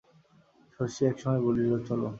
শশী একসময় বলিল, চলো।